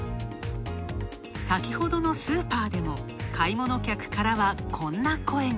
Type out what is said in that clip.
先ほどのスーパーでも買い物客からはこんな声が。